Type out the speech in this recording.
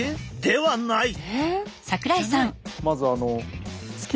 ではない。